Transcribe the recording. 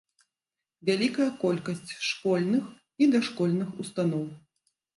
Вялікая колькасць школьных і дашкольных устаноў.